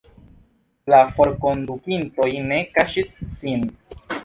La forkondukintoj ne kaŝis sin.